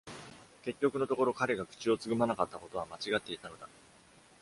結局のところ、彼が口をつぐまなかったことは間違っていたのだ。